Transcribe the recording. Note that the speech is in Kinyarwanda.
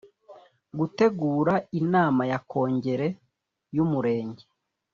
Gutegura inama ya Kongere y Umurenge